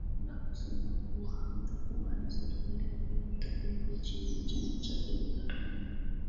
na kusema kuwa hatakubali serikali ambae itaudwa chini ya chama cha nrm